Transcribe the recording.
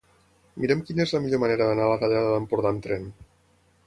Mira'm quina és la millor manera d'anar a la Tallada d'Empordà amb tren.